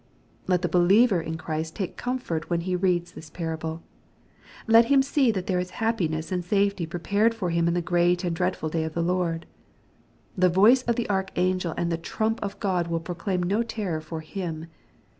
Let the believer in Christ take comfort when he reads this parable. Let him see that there is happiness and safety prepared for him in the great and dreadful day of the Lord. The voice of the archangel and the trump of God will prockim no terror for him.